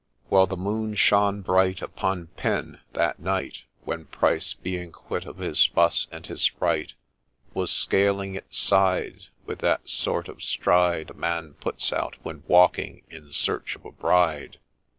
Well — the moon shone bright Upon ' PEN ' that night, When Pryce, being quit of hia fuss and his fright. Was scaling its side With that sort of stride A man puts out when walking in search of a bride.